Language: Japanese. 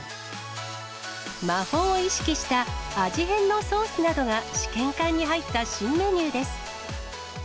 魔法を意識した味変のソースなどが試験管に入った新メニューです。